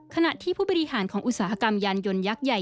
ขณะที่ผู้บริหารของอุตสาหกรรมยานยนยักษ์ใหญ่